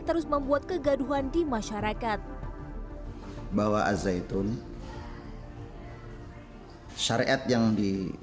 terus membuat kegaduhan di masyarakat bahwa al zaitun syariat yang di